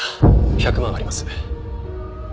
１００万あります。